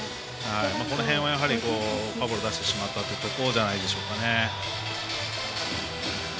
この辺はフォアボール出してしまったということがあるんじゃないですかね。